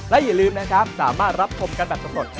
และอย่าลืมนะครับสามารถรับชมกันแบบสำรวจ